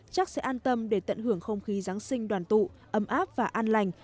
chắc sẽ an tâm để tận hưởng không khí giáng sinh đoàn tụ ấm áp và an lành